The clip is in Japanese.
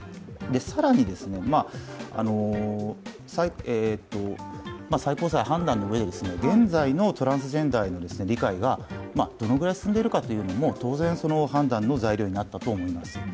更に、最高裁判断のうえで現在のトランスジェンダーへの理解がどのぐらい進んでいるかというのも当然、判断の材料になったと思います。